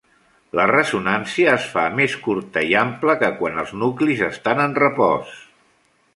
La ressonància es fa més curta i ampla que quan els nuclis estan en repòs.